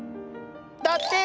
だって！